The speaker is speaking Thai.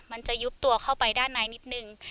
มันจะยุบตัวเข้าไปด้านในนิดนึง